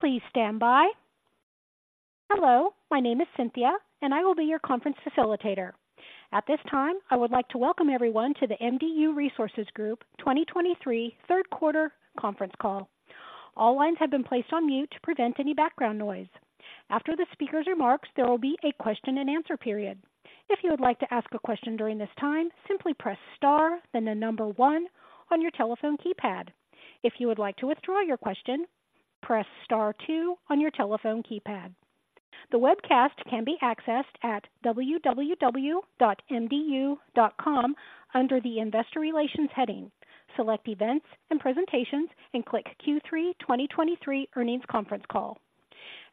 Please stand by. Hello, my name is Cynthia, and I will be your conference facilitator. At this time, I would like to welcome everyone to the MDU Resources Group 2023 Third Quarter Conference Call. All lines have been placed on mute to prevent any background noise. After the speaker's remarks, there will be a question and answer period. If you would like to ask a question during this time, simply press star, then the number one on your telephone keypad. If you would like to withdraw your question, press star two on your telephone keypad. The webcast can be accessed at www.mdu.com under the Investor Relations heading. Select Events and Presentations and click Q3 2023 Earnings Conference Call.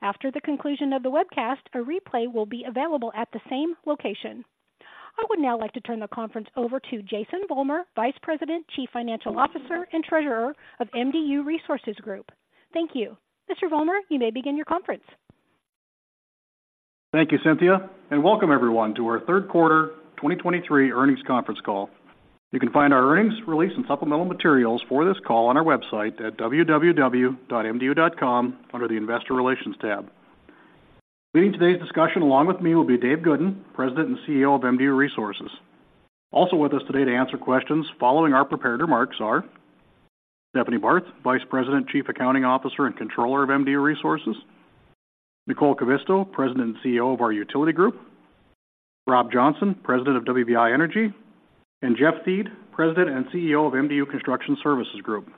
After the conclusion of the webcast, a replay will be available at the same location. I would now like to turn the conference over to Jason Vollmer, Vice President, Chief Financial Officer, and Treasurer of MDU Resources Group. Thank you. Mr. Vollmer, you may begin your conference. Thank you, Cynthia, and welcome everyone to our Third Quarter 2023 Earnings Conference Call. You can find our earnings release and supplemental materials for this call on our website at www.mdu.com under the Investor Relations tab. Leading today's discussion, along with me, will be Dave Goodin, President and CEO of MDU Resources. Also with us today to answer questions following our prepared remarks are: Stephanie Barth, Vice President, Chief Accounting Officer, and Controller of MDU Resources; Nicole Kivisto, President and CEO of our Utility Group; Rob Johnson, President of WBI Energy; and Jeff Thiede, President and CEO of MDU Construction Services Group.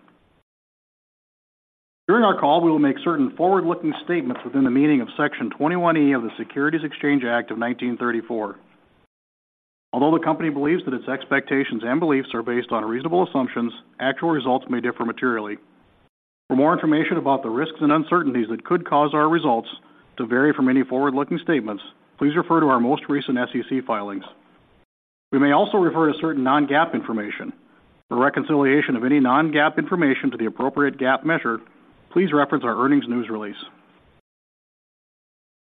During our call, we will make certain forward-looking statements within the meaning of Section 21E of the Securities Exchange Act of 1934. Although the company believes that its expectations and beliefs are based on reasonable assumptions, actual results may differ materially. For more information about the risks and uncertainties that could cause our results to vary from any forward-looking statements, please refer to our most recent SEC filings. We may also refer to certain non-GAAP information. For reconciliation of any non-GAAP information to the appropriate GAAP measure, please reference our earnings news release.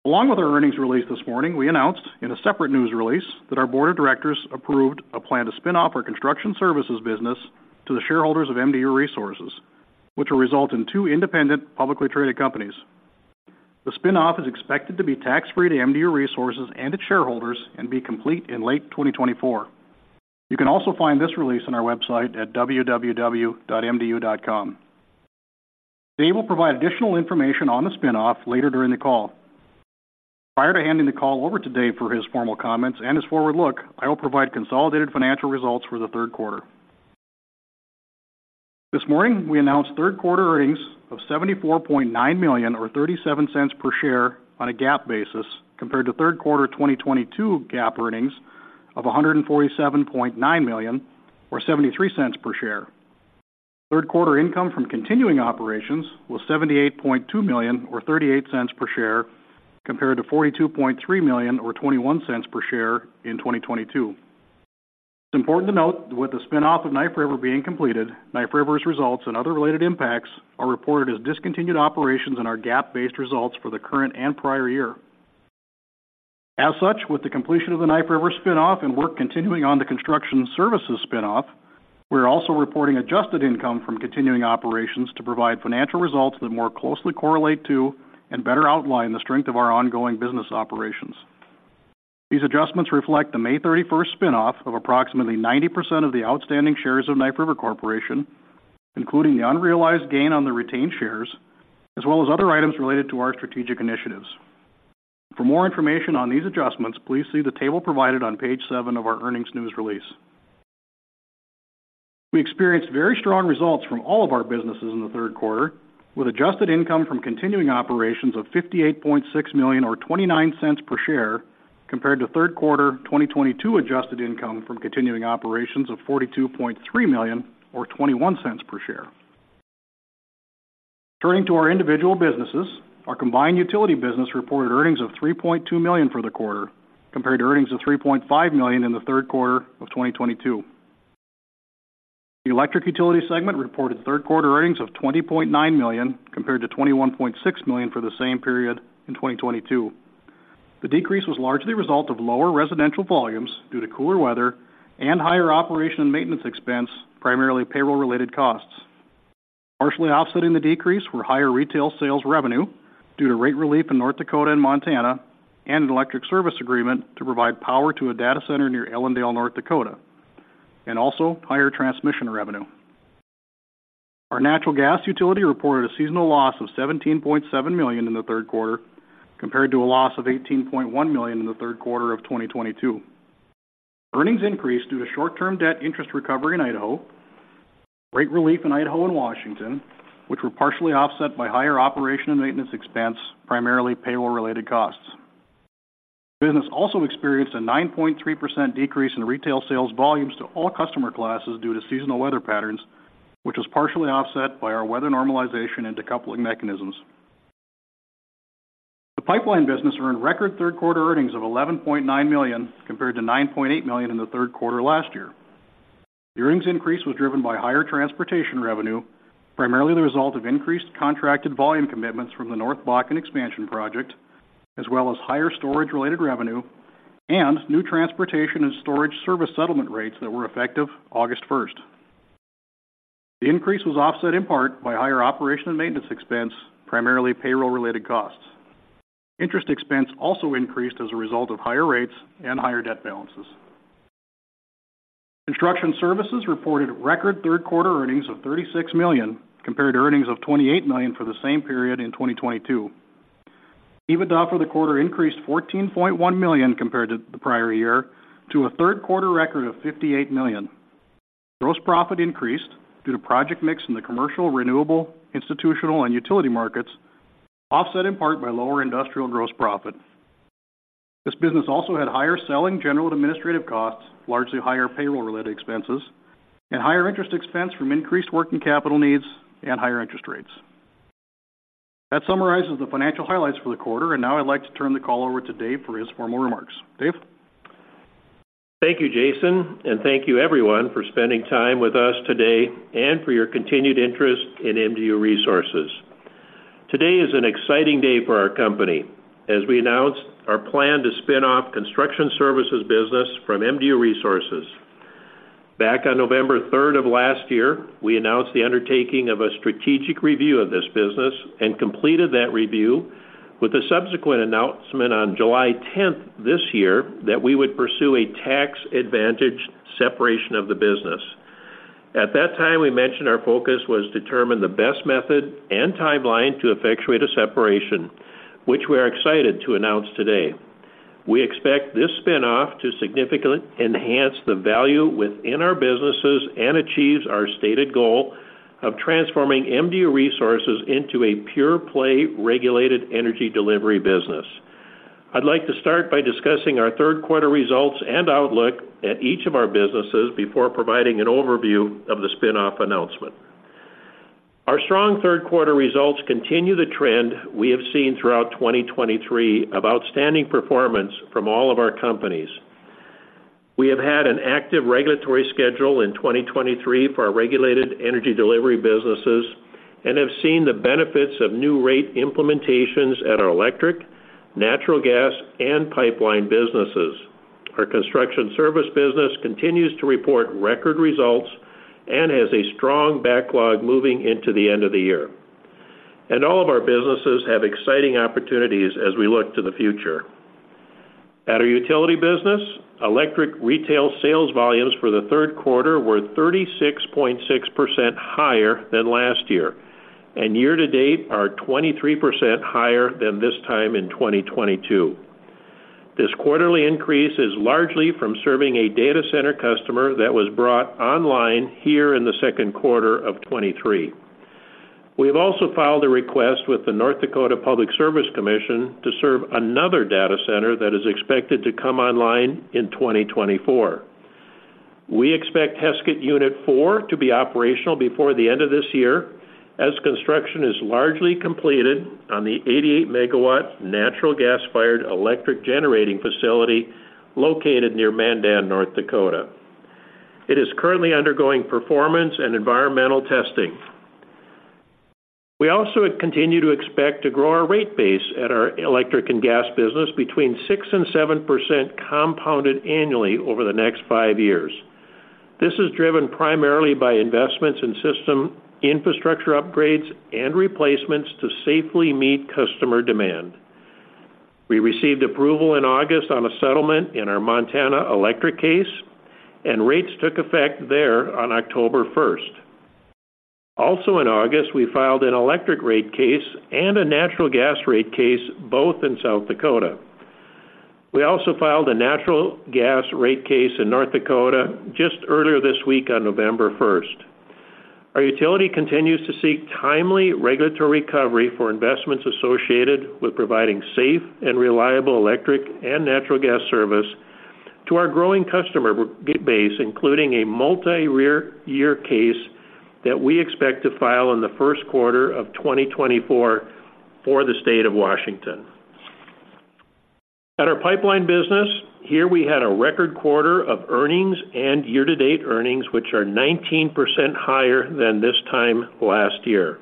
Along with our earnings release this morning, we announced in a separate news release that our board of directors approved a plan to spin off our construction services business to the shareholders of MDU Resources, which will result in two independent, publicly traded companies. The spin-off is expected to be tax-free to MDU Resources and its shareholders and be complete in late 2024. You can also find this release on our website at www.mdu.com. Dave will provide additional information on the spin-off later during the call. Prior to handing the call over to Dave for his formal comments and his forward look, I will provide consolidated financial results for the third quarter. This morning, we announced third-quarter earnings of $74.9 million or $0.37 per share on a GAAP basis, compared to third quarter 2022 GAAP earnings of $147.9 million or $0.73 per share. Third quarter income from continuing operations was $78.2 million or $0.38 per share, compared to $42.3 million or $0.21 per share in 2022. It's important to note that with the spin-off of Knife River being completed, Knife River's results and other related impacts are reported as discontinued operations in our GAAP-based results for the current and prior year. As such, with the completion of the Knife River spin-off and work continuing on the construction services spin-off, we are also reporting adjusted income from continuing operations to provide financial results that more closely correlate to and better outline the strength of our ongoing business operations. These adjustments reflect the May 31st spin-off of approximately 90% of the outstanding shares of Knife River Corporation, including the unrealized gain on the retained shares, as well as other items related to our strategic initiatives. For more information on these adjustments, please see the table provided on page seven of our earnings news release. We experienced very strong results from all of our businesses in the third quarter, with adjusted income from continuing operations of $58.6 million or $0.29 per share, compared to third quarter 2022 adjusted income from continuing operations of $42.3 million or $0.21 per share. Turning to our individual businesses, our combined utility business reported earnings of $3.2 million for the quarter, compared to earnings of $3.5 million in the third quarter of 2022. The electric utility segment reported third-quarter earnings of $20.9 million, compared to $21.6 million for the same period in 2022. The decrease was largely a result of lower residential volumes due to cooler weather and higher operation and maintenance expense, primarily payroll-related costs. Partially offsetting the decrease were higher retail sales revenue due to rate relief in North Dakota and Montana, and an electric service agreement to provide power to a data center near Ellendale, North Dakota, and also higher transmission revenue. Our natural gas utility reported a seasonal loss of $17.7 million in the third quarter, compared to a loss of $18.1 million in the third quarter of 2022. Earnings increased due to short-term debt interest recovery in Idaho. Rate relief in Idaho and Washington, which were partially offset by higher operation and maintenance expense, primarily payroll-related costs. Business also experienced a 9.3% decrease in retail sales volumes to all customer classes due to seasonal weather patterns, which was partially offset by our weather normalization and decoupling mechanisms. The pipeline business earned record third-quarter earnings of $11.9 million, compared to $9.8 million in the third quarter last year. Earnings increase was driven by higher transportation revenue, primarily the result of increased contracted volume commitments from the North Bakken Expansion Project, as well as higher storage-related revenue and new transportation and storage service settlement rates that were effective August 1st. The increase was offset in part by higher operation and maintenance expense, primarily payroll-related costs. Interest expense also increased as a result of higher rates and higher debt balances. Construction services reported record third quarter earnings of $36 million, compared to earnings of $28 million for the same period in 2022. EBITDA for the quarter increased $14.1 million compared to the prior year, to a third quarter record of $58 million. Gross profit increased due to project mix in the commercial, renewable, institutional, and utility markets, offset in part by lower industrial gross profit. This business also had higher selling, general, and administrative costs, largely higher payroll-related expenses, and higher interest expense from increased working capital needs and higher interest rates. That summarizes the financial highlights for the quarter, and now I'd like to turn the call over to Dave for his formal remarks. Dave? Thank you, Jason, and thank you everyone for spending time with us today and for your continued interest in MDU Resources. Today is an exciting day for our company as we announce our plan to spin off construction services business from MDU Resources. Back on November 3rd of last year, we announced the undertaking of a strategic review of this business and completed that review with the subsequent announcement on July 10th this year, that we would pursue a tax-advantaged separation of the business. At that time, we mentioned our focus was to determine the best method and timeline to effectuate a separation, which we are excited to announce today. We expect this spin-off to significantly enhance the value within our businesses and achieves our stated goal of transforming MDU Resources into a pure-play, regulated energy delivery business. I'd like to start by discussing our third quarter results and outlook at each of our businesses before providing an overview of the spin-off announcement. Our strong third quarter results continue the trend we have seen throughout 2023 of outstanding performance from all of our companies. We have had an active regulatory schedule in 2023 for our regulated energy delivery businesses and have seen the benefits of new rate implementations at our electric, natural gas, and pipeline businesses. Our construction service business continues to report record results and has a strong backlog moving into the end of the year. All of our businesses have exciting opportunities as we look to the future. At our utility business, electric retail sales volumes for the third quarter were 36.6% higher than last year, and year to date are 23% higher than this time in 2022. This quarterly increase is largely from serving a data center customer that was brought online here in the second quarter of 2023. We have also filed a request with the North Dakota Public Service Commission to serve another data center that is expected to come online in 2024. We expect Heskett Unit 4 to be operational before the end of this year, as construction is largely completed on the 88-megawatt natural gas-fired electric generating facility located near Mandan, North Dakota. It is currently undergoing performance and environmental testing. We also continue to expect to grow our rate base at our electric and gas business between 6% and 7% compounded annually over the next five years. This is driven primarily by investments in system infrastructure upgrades and replacements to safely meet customer demand. We received approval in August on a settlement in our Montana electric case, and rates took effect there on October 1st. Also in August, we filed an electric rate case and a natural gas rate case, both in South Dakota. We also filed a natural gas rate case in North Dakota just earlier this week on November 1st. Our utility continues to seek timely regulatory recovery for investments associated with providing safe and reliable electric and natural gas service to our growing customer base, including a multi-year case that we expect to file in the first quarter of 2024 for the state of Washington. At our pipeline business, here we had a record quarter of earnings and year-to-date earnings, which are 19% higher than this time last year.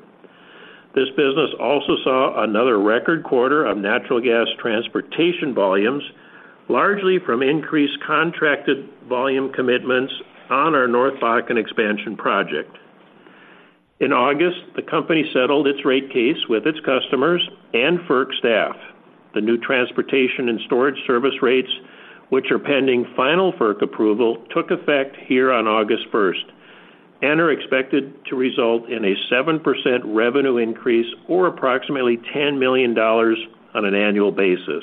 This business also saw another record quarter of natural gas transportation volumes, largely from increased contracted volume commitments on our North Bakken Expansion Project. In August, the company settled its rate case with its customers and FERC staff. The new transportation and storage service rates, which are pending final FERC approval, took effect here on August 1st and are expected to result in a 7% revenue increase or approximately $10 million on an annual basis.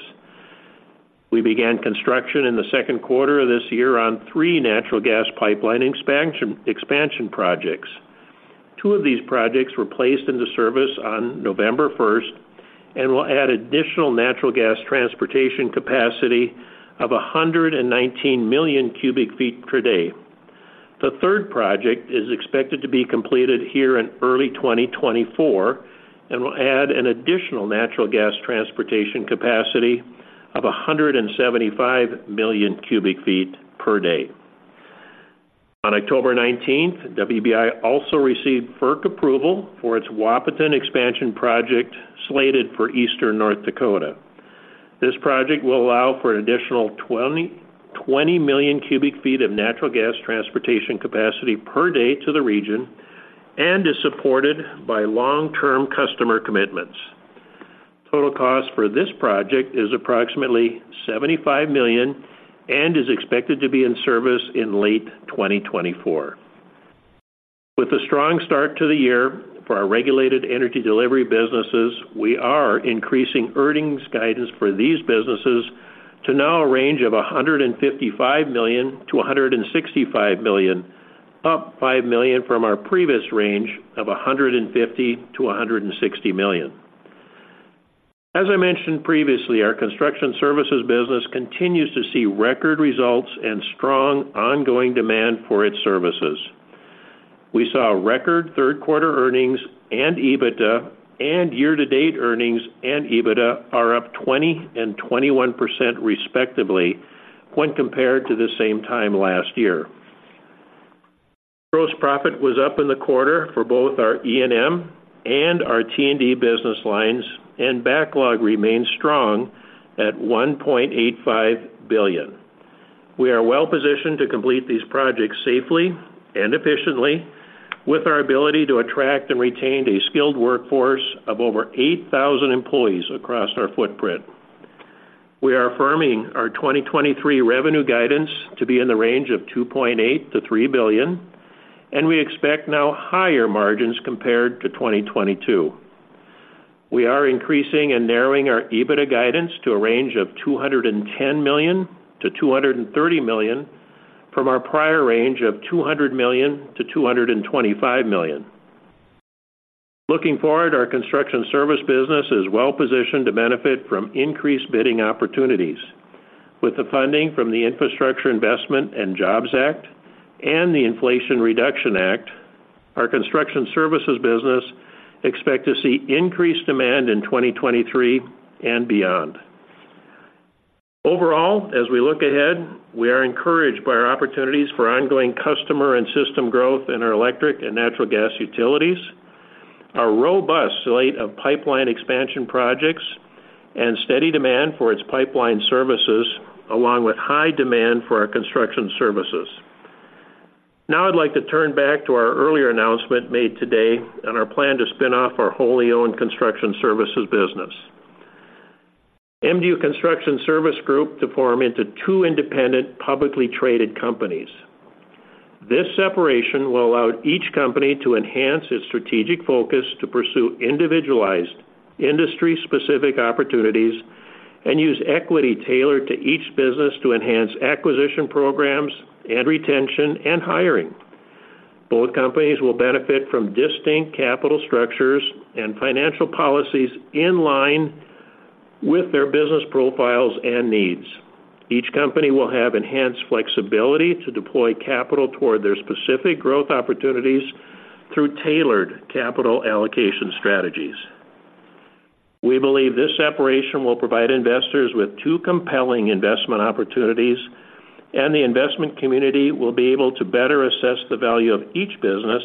We began construction in the second quarter of this year on three natural gas pipeline expansion projects. Two of these projects were placed into service on November 1st and will add additional natural gas transportation capacity of 119 million cubic feet per day. The third project is expected to be completed here in early 2024 and will add an additional natural gas transportation capacity of 175 million cubic feet per day. On October 19th, WBI also received FERC approval for its Wahpeton Expansion Project, slated for Eastern North Dakota. This project will allow for an additional 20 million cubic feet of natural gas transportation capacity per day to the region and is supported by long-term customer commitments. Total cost for this project is approximately $75 million and is expected to be in service in late 2024. With a strong start to the year for our regulated energy delivery businesses, we are increasing earnings guidance for these businesses to now a range of $155 million-$165 million, up $5 million from our previous range of $150 million-$160 million. As I mentioned previously, our construction services business continues to see record results and strong ongoing demand for its services. We saw record third quarter earnings and EBITDA, and year-to-date earnings and EBITDA are up 20% and 21%, respectively, when compared to the same time last year. Gross profit was up in the quarter for both our E&M and our T&D business lines, and backlog remains strong at $1.85 billion. We are well positioned to complete these projects safely and efficiently with our ability to attract and retain a skilled workforce of over 8,000 employees across our footprint. We are affirming our 2023 revenue guidance to be in the range of $2.8 billion-$3 billion, and we expect now higher margins compared to 2022. We are increasing and narrowing our EBITDA guidance to a range of $210 million-$230 million, from our prior range of $200 million-$225 million. Looking forward, our construction service business is well positioned to benefit from increased bidding opportunities. With the funding from the Infrastructure Investment and Jobs Act and the Inflation Reduction Act, our construction services business expect to see increased demand in 2023 and beyond. Overall, as we look ahead, we are encouraged by our opportunities for ongoing customer and system growth in our electric and natural gas utilities, our robust slate of pipeline expansion projects, and steady demand for its pipeline services, along with high demand for our construction services. Now I'd like to turn back to our earlier announcement made today on our plan to spin off our wholly owned construction services business, MDU Construction Services Group, to form into two independent, publicly traded companies. This separation will allow each company to enhance its strategic focus to pursue individualized, industry-specific opportunities and use equity tailored to each business to enhance acquisition programs and retention and hiring. Both companies will benefit from distinct capital structures and financial policies in line with their business profiles and needs. Each company will have enhanced flexibility to deploy capital toward their specific growth opportunities through tailored capital allocation strategies. We believe this separation will provide investors with two compelling investment opportunities, and the investment community will be able to better assess the value of each business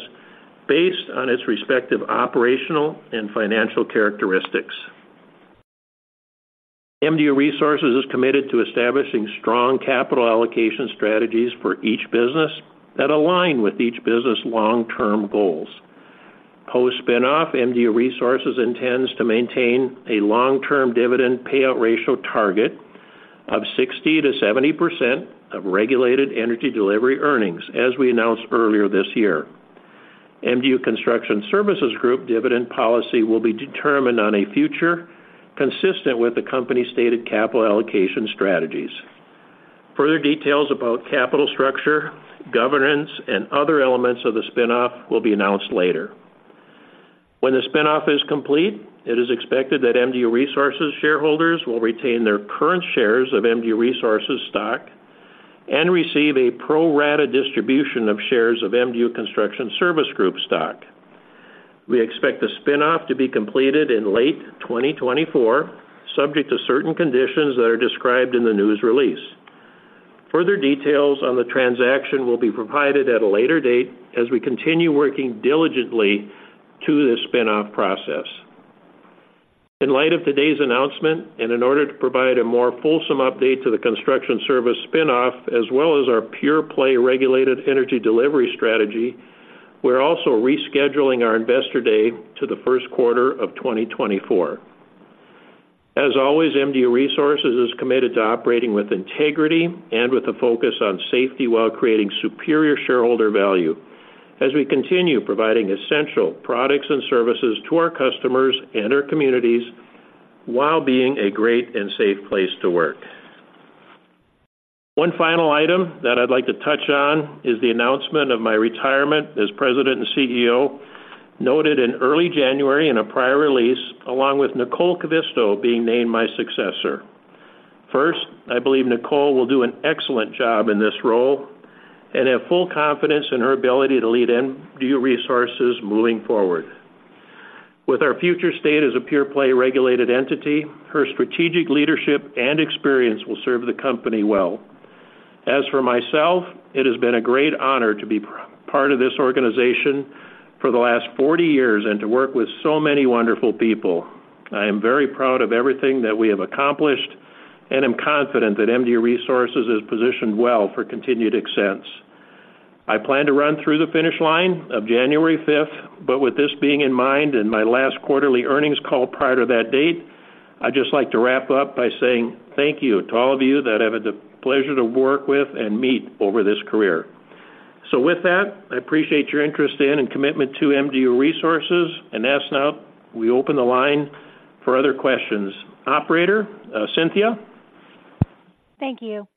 based on its respective operational and financial characteristics. MDU Resources is committed to establishing strong capital allocation strategies for each business that align with each business' long-term goals. Post-spin-off, MDU Resources intends to maintain a long-term dividend payout ratio target of 60%-70% of regulated energy delivery earnings, as we announced earlier this year. MDU Construction Services Group dividend policy will be determined on a future consistent with the company's stated capital allocation strategies. Further details about capital structure, governance, and other elements of the spin-off will be announced later. When the spin-off is complete, it is expected that MDU Resources shareholders will retain their current shares of MDU Resources stock and receive a pro rata distribution of shares of MDU Construction Services Group stock. We expect the spin-off to be completed in late 2024, subject to certain conditions that are described in the news release. Further details on the transaction will be provided at a later date as we continue working diligently to this spin-off process. In light of today's announcement, and in order to provide a more fulsome update to the construction service spin-off, as well as our pure-play regulated energy delivery strategy, we're also rescheduling our Investor Day to the first quarter of 2024. As always, MDU Resources is committed to operating with integrity and with a focus on safety while creating superior shareholder value as we continue providing essential products and services to our customers and our communities while being a great and safe place to work. One final item that I'd like to touch on is the announcement of my retirement as President and CEO, noted in early January in a prior release, along with Nicole Kivisto being named my successor. First, I believe Nicole will do an excellent job in this role and have full confidence in her ability to lead MDU Resources moving forward. With our future state as a pure-play regulated entity, her strategic leadership and experience will serve the company well. As for myself, it has been a great honor to be part of this organization for the last forty years and to work with so many wonderful people. I am very proud of everything that we have accomplished, and I'm confident that MDU Resources is positioned well for continued success. I plan to run through the finish line of January 5th, but with this being in mind and my last quarterly earnings call prior to that date, I'd just like to wrap up by saying thank you to all of you that I've had the pleasure to work with and meet over this career. So with that, I appreciate your interest in and commitment to MDU Resources, and as now, we open the line for other questions. Operator, Cynthia? Thank you.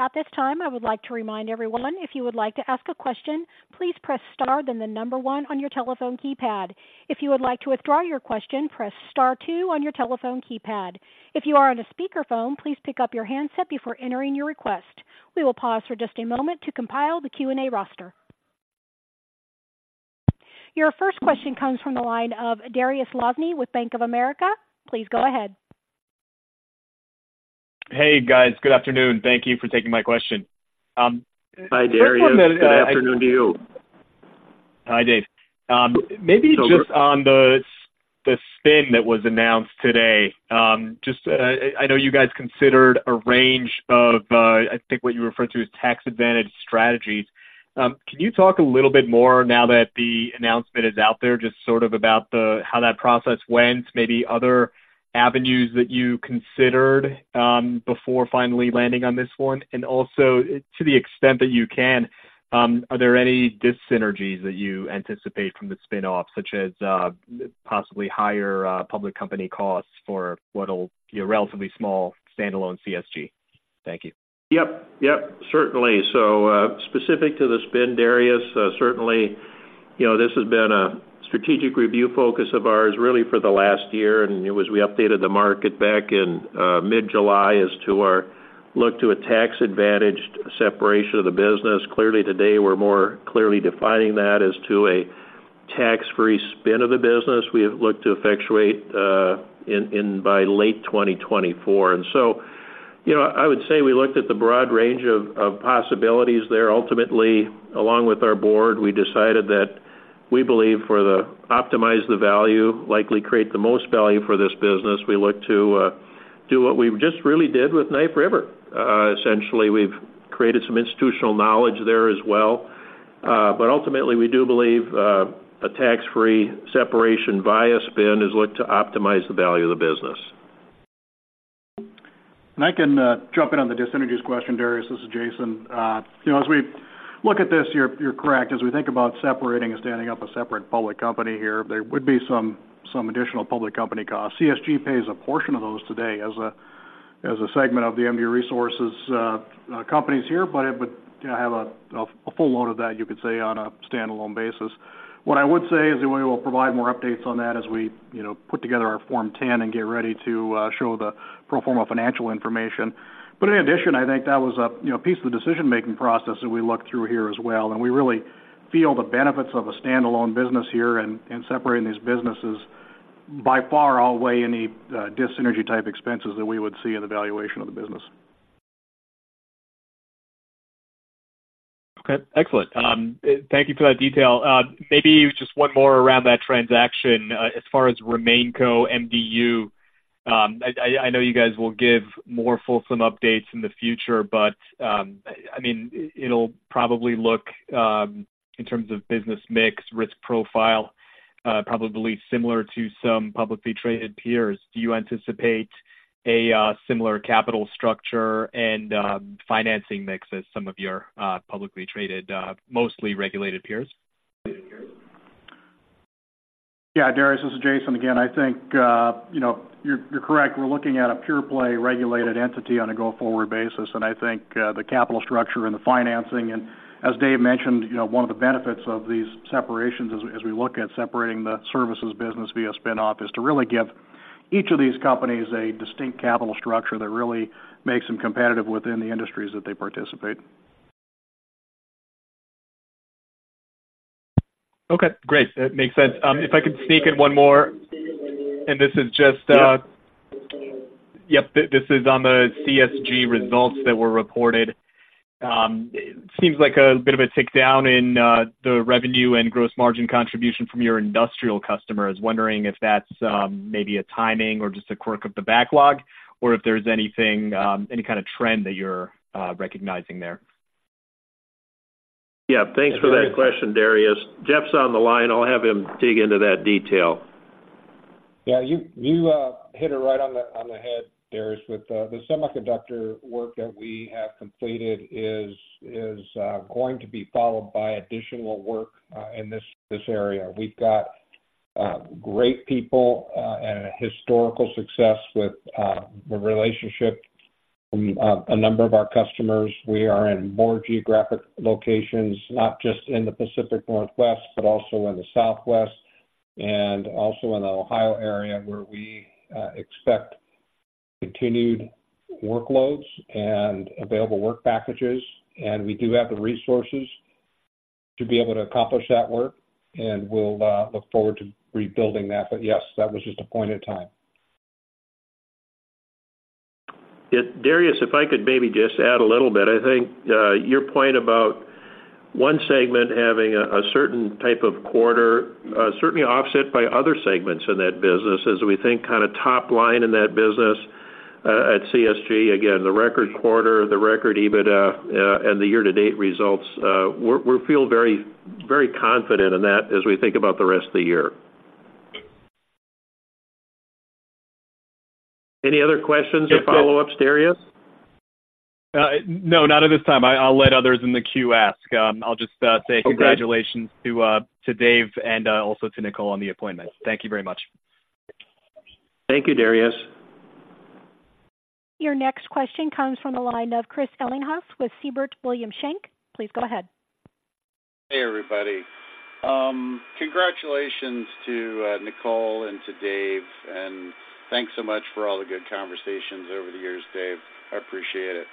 At this time, I would like to remind everyone, if you would like to ask a question, please press star, then the number one on your telephone keypad. If you would like to withdraw your question, press star two on your telephone keypad. If you are on a speakerphone, please pick up your handset before entering your request. We will pause for just a moment to compile the Q&A roster. Your first question comes from the line of Dariusz Lozny with Bank of America. Please go ahead. Hey, guys. Good afternoon. Thank you for taking my question. Hi, Dariusz. Good afternoon to you. Hi, Dave. Maybe just on the spin that was announced today. I know you guys considered a range of, I think what you referred to as tax advantage strategies. Can you talk a little bit more now that the announcement is out there, just sort of about the—how that process went, maybe other avenues that you considered, before finally landing on this one? And also, to the extent that you can, are there any dyssynergies that you anticipate from the spin-off, such as, possibly higher, public company costs for what will be a relatively small standalone CSG? Thank you. Yep, yep, certainly. So, specific to the spin, Dariusz, certainly, you know, this has been a strategic review focus of ours, really, for the last year, and as we updated the market back in, mid-July as to our look to a tax-advantaged separation of the business. Clearly, today, we're more clearly defining that as to a tax-free spin of the business. We have looked to effectuate, in, by late 2024. And so, you know, I would say we looked at the broad range of possibilities there. Ultimately, along with our board, we decided that we believe for the optimize the value, likely create the most value for this business, we look to do what we just really did with Knife River. Essentially, we've created some institutional knowledge there as well. Ultimately, we do believe a tax-free separation via spin is looked to optimize the value of the business. I can jump in on the dyssynergies question, Dariusz. This is Jason. You know, as we look at this, you're correct. As we think about separating and standing up a separate public company here, there would be some additional public company costs. CSG pays a portion of those today as a segment of the MDU Resources companies here, but it would have a full load of that, you could say, on a standalone basis. What I would say is that we will provide more updates on that as we you know put together our Form 10 and get ready to show the pro forma financial information. In addition, I think that was a, you know, piece of the decision-making process that we looked through here as well, and we really feel the benefits of a standalone business here and separating these businesses by far outweigh any dyssynergy-type expenses that we would see in the valuation of the business. Okay, excellent. Thank you for that detail. Maybe just one more around that transaction. As far as RemainCo MDU, I know you guys will give more fulsome updates in the future, but, I mean, it'll probably look, in terms of business mix, risk profile, probably similar to some publicly traded peers. Do you anticipate a similar capital structure and financing mix as some of your publicly traded, mostly regulated peers? Yeah, Dariusz, this is Jason again. I think, you know, you're, you're correct. We're looking at a pure play regulated entity on a go-forward basis, and I think, the capital structure and the financing, and as Dave mentioned, you know, one of the benefits of these separations as we, as we look at separating the services business via spin-off, is to really give each of these companies a distinct capital structure that really makes them competitive within the industries that they participate. Okay, great. That makes sense. If I could sneak in one more, and this is just, Yep. Yep, this is on the CSG results that were reported. Seems like a bit of a tick down in the revenue and gross margin contribution from your industrial customers. Wondering if that's maybe a timing or just a quirk of the backlog, or if there's anything any kind of trend that you're recognizing there. Yeah, thanks for that question, Dariusz. Jeff's on the line. I'll have him dig into that detail. Yeah, you hit it right on the head, Dariusz, with the semiconductor work that we have completed is going to be followed by additional work in this area. We've got great people and a historical success with the relationship from a number of our customers. We are in more geographic locations, not just in the Pacific Northwest, but also in the Southwest and also in the Ohio area, where we expect continued workloads and available work packages. We do have the resources to be able to accomplish that work, and we'll look forward to rebuilding that. But yes, that was just a point in time. Yeah, Dariusz, if I could maybe just add a little bit. I think, your point about one segment having a, a certain type of quarter, certainly offset by other segments in that business as we think kind of top line in that business, at CSG, again, the record quarter, the record EBITDA, and the year-to-date results, we're, we feel very, very confident in that as we think about the rest of the year. Any other questions or follow-ups, Dariusz? No, not at this time. I'll let others in the queue ask. I'll just say congratulations to Dave and also to Nicole on the appointment. Thank you very much. Thank you, Dariusz. Your next question comes from the line of Chris Ellinghaus with Siebert Williams Shank. Please go ahead. Hey, everybody. Congratulations to Nicole and to Dave, and thanks so much for all the good conversations over the years, Dave. I appreciate it.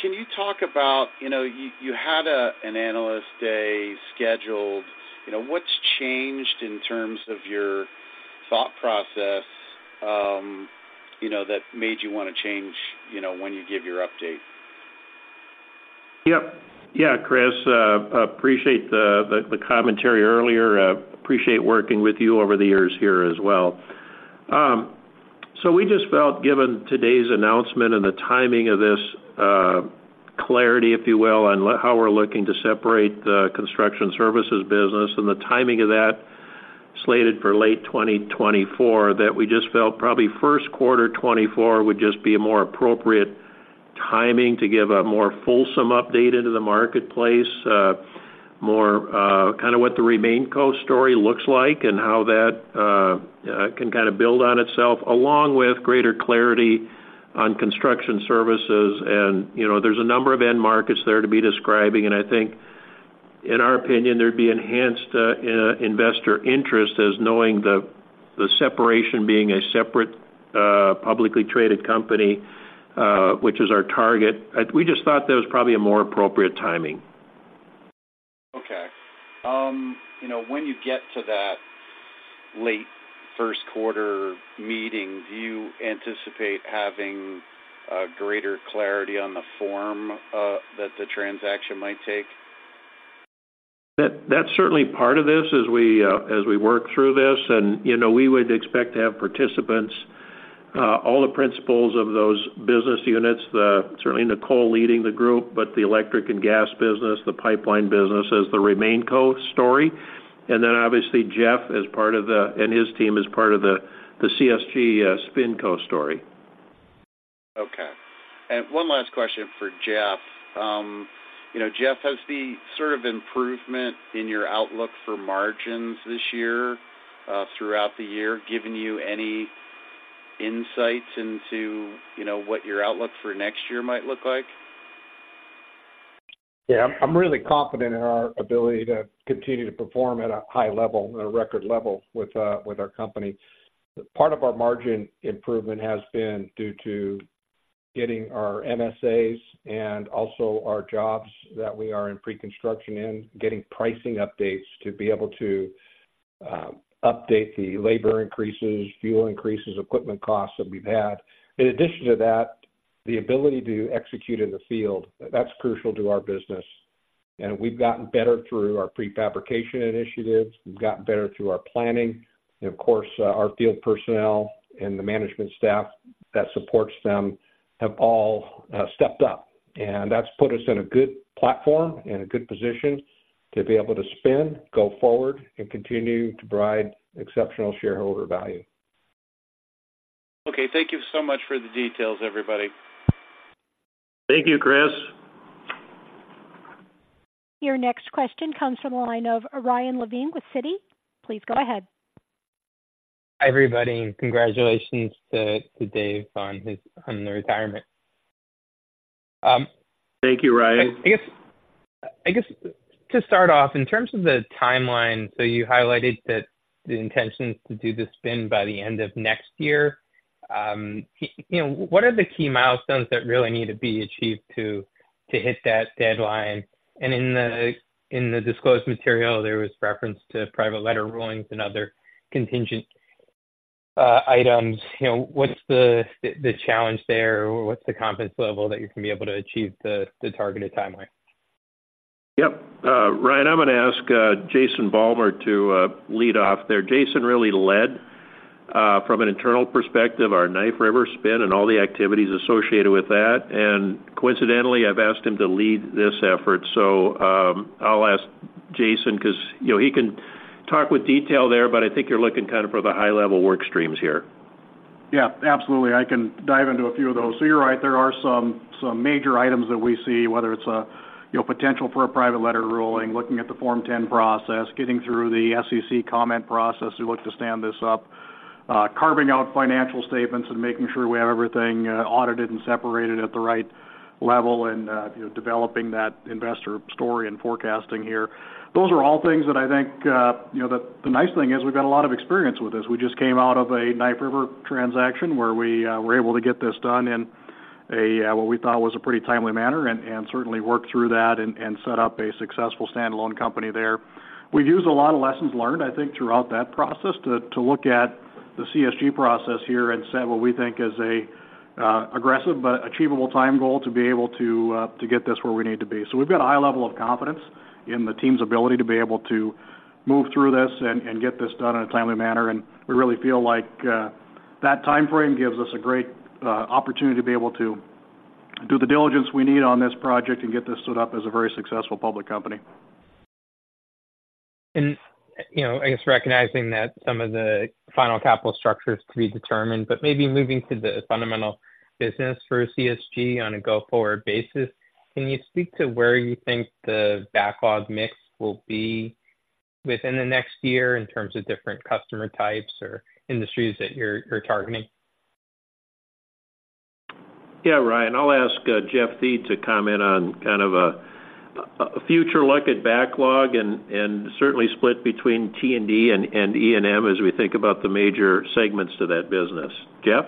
Can you talk about, you know, you had an Analyst Day scheduled. You know, what's changed in terms of your thought process, you know, that made you want to change, you know, when you give your update? Yep. Yeah, Chris, appreciate the commentary earlier. Appreciate working with you over the years here as well. So we just felt, given today's announcement and the timing of this, clarity, if you will, on how we're looking to separate the construction services business and the timing of that, slated for late 2024, that we just felt probably first quarter 2024 would just be a more appropriate timing to give a more fulsome update into the marketplace. More, kind of what the RemainCo story looks like and how that can kind of build on itself, along with greater clarity on construction services. You know, there's a number of end markets there to be describing, and I think, in our opinion, there'd be enhanced investor interest as knowing the separation being a separate publicly traded company, which is our target. We just thought that was probably a more appropriate timing. Okay. You know, when you get to that late first quarter meeting, do you anticipate having greater clarity on the form that the transaction might take? That, that's certainly part of this as we, as we work through this. And, you know, we would expect to have participants, all the principals of those business units, the—certainly Nicole leading the group, but the electric and gas business, the pipeline business as the RemainCo story, and then obviously Jeff as part of the, and his team, as part of the, the CSG, SpinCo story. Okay. One last question for Jeff. You know, Jeff, has the sort of improvement in your outlook for margins this year, throughout the year, given you any insights into, you know, what your outlook for next year might look like? Yeah. I'm really confident in our ability to continue to perform at a high level and a record level with our company. Part of our margin improvement has been due to getting our MSAs and also our jobs that we are in pre-construction in, getting pricing updates to be able to update the labor increases, fuel increases, equipment costs that we've had. In addition to that, the ability to execute in the field, that's crucial to our business, and we've gotten better through our prefabrication initiatives. We've gotten better through our planning. And of course, our field personnel and the management staff that supports them have all stepped up, and that's put us in a good platform and a good position to be able to spin, go forward, and continue to provide exceptional shareholder value. Okay. Thank you so much for the details, everybody. Thank you, Chris. Your next question comes from the line of Ryan Levine with Citi. Please go ahead. Hi, everybody, and congratulations to Dave on his retirement. Thank you, Ryan. I guess to start off, in terms of the timeline, so you highlighted that the intentions to do the spin by the end of next year. You know, what are the key milestones that really need to be achieved to hit that deadline? And in the disclosed material, there was reference to Private Letter Rulings and other contingent items. You know, what's the challenge there, or what's the confidence level that you're going to be able to achieve the targeted timeline? Yep. Ryan, I'm going to ask Jason Vollmer to lead off there. Jason really led from an internal perspective, our Knife River spin and all the activities associated with that. And coincidentally, I've asked him to lead this effort. So, I'll ask Jason because, you know, he can talk with detail there, but I think you're looking kind of for the high-level work streams here. Yeah, absolutely. I can dive into a few of those. So you're right, there are some, some major items that we see, whether it's a, you know, potential for a Private Letter Ruling, looking at the Form 10 process, getting through the SEC comment process, we look to stand this up, carving out financial statements and making sure we have everything, audited and separated at the right level, and, you know, developing that investor story and forecasting here. Those are all things that I think, you know, the, the nice thing is we've got a lot of experience with this. We just came out of a Knife River transaction where we were able to get this done in what we thought was a pretty timely manner, and certainly worked through that and set up a successful standalone company there. We've used a lot of lessons learned, I think, throughout that process, to look at the CSG process here and set what we think is a aggressive but achievable time goal to be able to get this where we need to be. So we've got a high level of confidence in the team's ability to be able to move through this and get this done in a timely manner, and we really feel like that timeframe gives us a great opportunity to be able to do the diligence we need on this project and get this stood up as a very successful public company. You know, I guess recognizing that some of the final capital structure is to be determined, but maybe moving to the fundamental business for CSG on a go-forward basis, can you speak to where you think the backlog mix will be within the next year in terms of different customer types or industries that you're targeting? Yeah, Ryan, I'll ask Jeff Thiede to comment on kind of a future look at backlog and certainly split between T&D and E&M as we think about the major segments to that business. Jeff?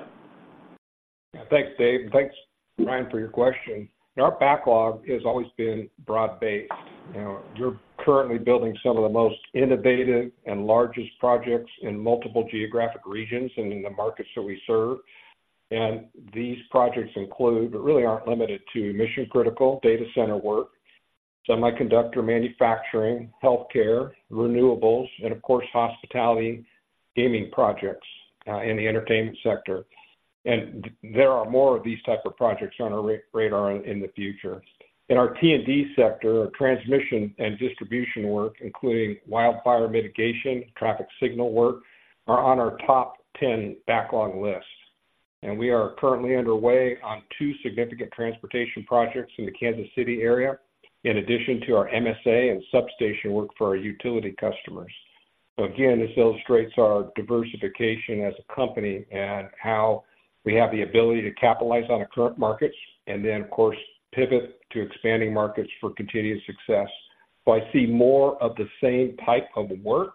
Thanks, Dave. Thanks, Ryan, for your question. Our backlog has always been broad-based. You know, we're currently building some of the most innovative and largest projects in multiple geographic regions and in the markets that we serve. And these projects include, but really aren't limited to, mission-critical data center work, semiconductor manufacturing, healthcare, renewables, and of course, hospitality, gaming projects in the entertainment sector. And there are more of these type of projects on our radar in the future. In our T&D sector, our transmission and distribution work, including wildfire mitigation, traffic signal work, are on our top 10 backlog lists. And we are currently underway on two significant transportation projects in the Kansas City area, in addition to our MSA and substation work for our utility customers. So again, this illustrates our diversification as a company and how we have the ability to capitalize on the current markets and then, of course, pivot to expanding markets for continued success. So I see more of the same type of work,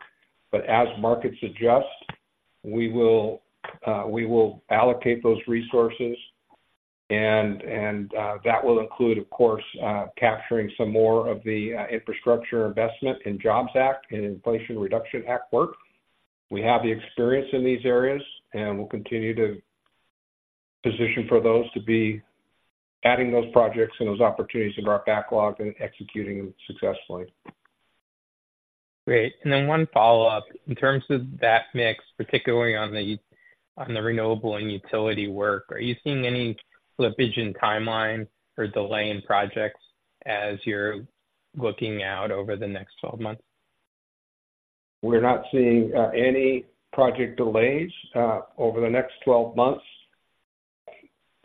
but as markets adjust, we will allocate those resources, and that will include, of course, capturing some more of the Infrastructure Investment and Jobs Act and Inflation Reduction Act work. We have the experience in these areas, and we'll continue to position for those to be adding those projects and those opportunities in our backlog and executing them successfully. Great. And then one follow-up: in terms of that mix, particularly on the renewable and utility work, are you seeing any slippage in timeline or delay in projects as you're looking out over the next 12 months? We're not seeing any project delays over the next 12 months,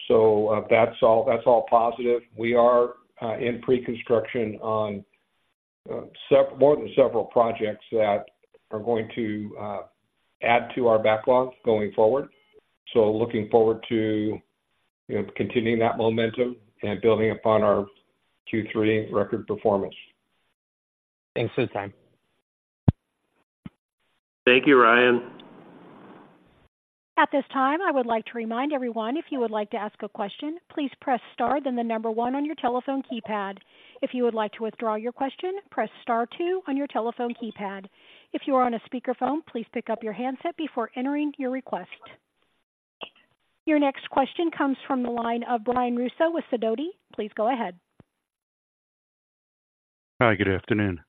so that's all, that's all positive. We are in pre-construction on more than several projects that are going to add to our backlog going forward. So looking forward to, you know, continuing that momentum and building upon our Q3 record performance. Thanks for the time. Thank you, Ryan. At this time, I would like to remind everyone, if you would like to ask a question, please press star, then the number one on your telephone keypad. If you would like to withdraw your question, press star two on your telephone keypad. If you are on a speakerphone, please pick up your handset before entering your request. Your next question comes from the line of Brian Russo with Sidoti. Please go ahead. Hi, good afternoon.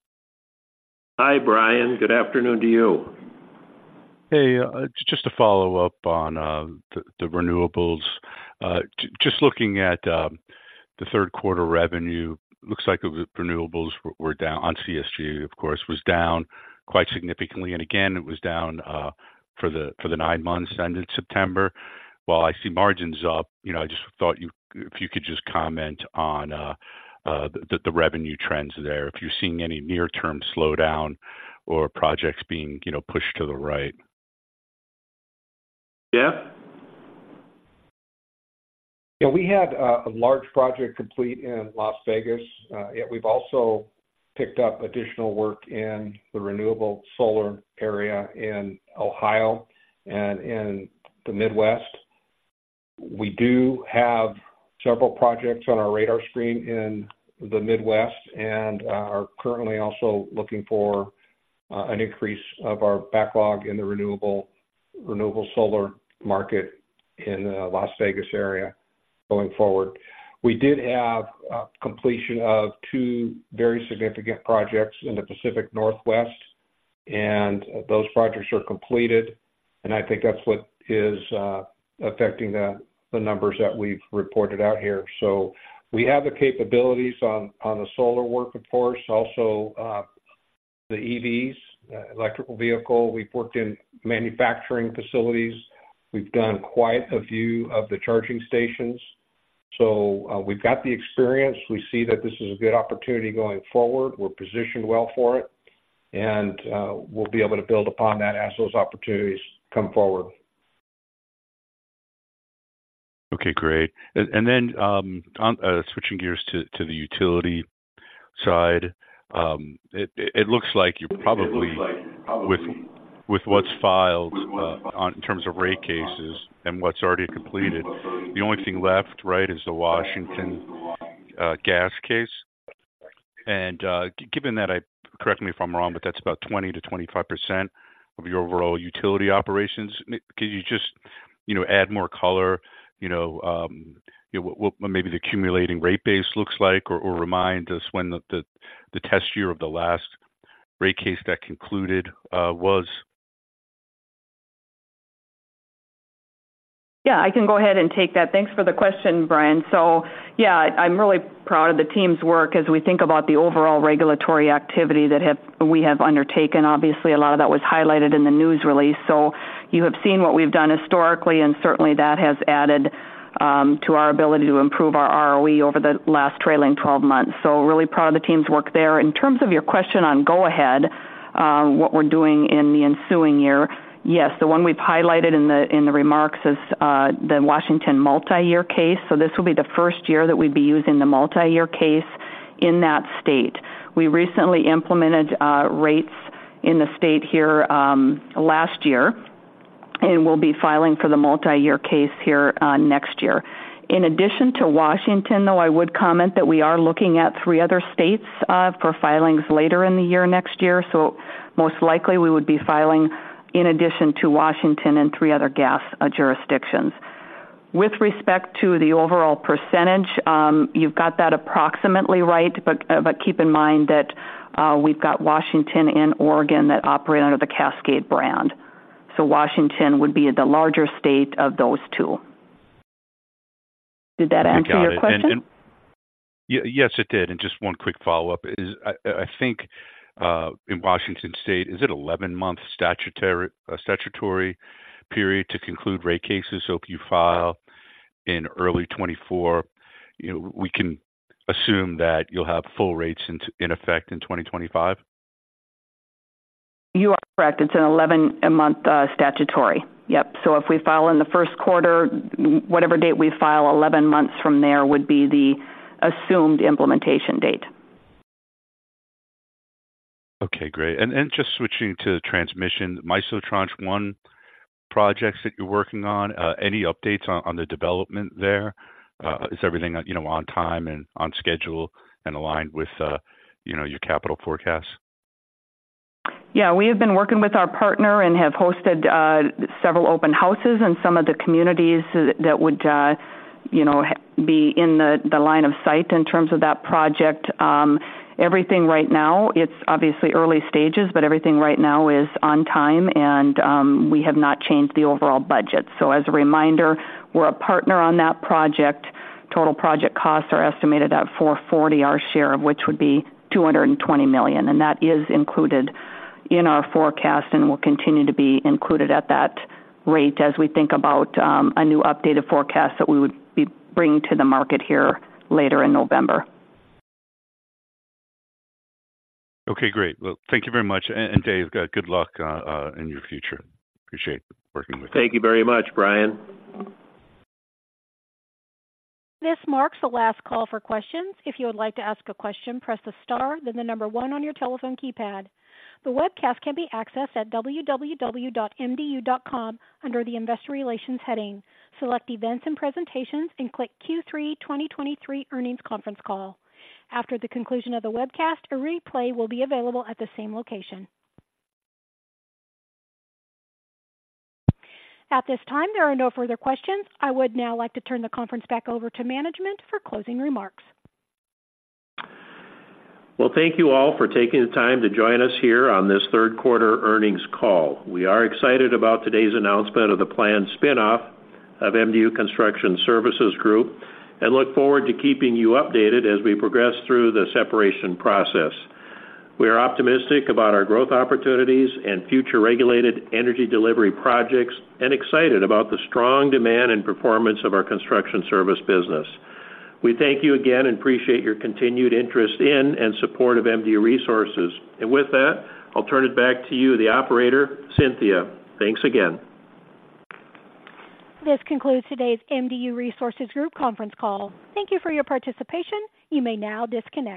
Hi, Brian, good afternoon to you. Hey, just to follow up on the renewables. Just looking at the third quarter revenue, looks like the renewables were down, on CSG, of course, was down quite significantly. And again, it was down for the nine months ended September. While I see margins up, you know, I just thought if you could just comment on the revenue trends there, if you're seeing any near-term slowdown or projects being, you know, pushed to the right. Jeff? Yeah, we had a large project complete in Las Vegas, yet we've also picked up additional work in the renewable solar area in Ohio and in the Midwest. We do have several projects on our radar screen in the Midwest and are currently also looking for an increase of our backlog in the renewable, renewable solar market in Las Vegas area going forward. We did have completion of two very significant projects in the Pacific Northwest, and those projects are completed, and I think that's what is affecting the numbers that we've reported out here. So we have the capabilities on the solar work, of course. Also, the EVs, electric vehicle. We've worked in manufacturing facilities. We've done quite a few of the charging stations, so we've got the experience. We see that this is a good opportunity going forward. We're positioned well for it, and we'll be able to build upon that as those opportunities come forward. Okay, great. And then, on switching gears to the utility side. It looks like you probably, with what's filed in terms of rate cases and what's already completed, the only thing left, right, is the Washington gas case. And, given that, correct me if I'm wrong, but that's about 20%-25% of your overall utility operations. Can you just, you know, add more color? You know, what maybe the accumulating rate base looks like, or remind us when the test year of the last rate case that concluded was? Yeah, I can go ahead and take that. Thanks for the question, Brian. So, yeah, I'm really proud of the team's work as we think about the overall regulatory activity that we have undertaken. Obviously, a lot of that was highlighted in the news release. So you have seen what we've done historically, and certainly, that has added to our ability to improve our ROE over the last trailing twelve months. So really proud of the team's work there. In terms of your question on go-ahead, what we're doing in the ensuing year, yes, the one we've highlighted in the remarks is the Washington multiyear case. So this will be the first year that we'd be using the multiyear case in that state. We recently implemented rates in the state here last year, and we'll be filing for the multiyear case here next year. In addition to Washington, though, I would comment that we are looking at three other states for filings later in the year, next year. So most likely, we would be filing in addition to Washington and three other gas jurisdictions. With respect to the overall percentage, you've got that approximately right, but, but keep in mind that we've got Washington and Oregon that operate under the Cascade brand. So Washington would be the larger state of those two. Did that answer your question? Yes, it did. Just one quick follow-up is, I think, in Washington state, is it 11-month statutory period to conclude rate cases? So if you file in early 2024, you know, we can assume that you'll have full rates in effect in 2025? You are correct. It's an 11-month statutory. Yep. So if we file in the first quarter, whatever date we file, 11 months from there would be the assumed implementation date. Okay, great. And just switching to transmission, MISO Tranche One projects that you're working on, any updates on the development there? Is everything, you know, on time and on schedule and aligned with, you know, your capital forecasts? Yeah, we have been working with our partner and have hosted several open houses in some of the communities that would you know be in the line of sight in terms of that project. Everything right now, it's obviously early stages, but everything right now is on time, and we have not changed the overall budget. So as a reminder, we're a partner on that project. Total project costs are estimated at $440 million, our share of which would be $220 million, and that is included in our forecast and will continue to be included at that rate as we think about a new updated forecast that we would be bringing to the market here later in November. Okay, great. Well, thank you very much. And, Dave, good luck in your future. Appreciate working with you. Thank you very much, Brian. This marks the last call for questions. If you would like to ask a question, press the star, then the number 1 on your telephone keypad. The webcast can be accessed at www.mdu.com under the Investor Relations heading, select Events and Presentations, and click Q3 2023 Earnings Conference Call. After the conclusion of the webcast, a replay will be available at the same location. At this time, there are no further questions. I would now like to turn the conference back over to management for closing remarks. Well, thank you all for taking the time to join us here on this third quarter earnings call. We are excited about today's announcement of the planned spinoff of MDU Construction Services Group, and look forward to keeping you updated as we progress through the separation process. We are optimistic about our growth opportunities and future regulated energy delivery projects and excited about the strong demand and performance of our construction service business. We thank you again and appreciate your continued interest in and support of MDU Resources. And with that, I'll turn it back to you, the operator, Cynthia. Thanks again. This concludes today's MDU Resources Group conference call. Thank you for your participation. You may now disconnect.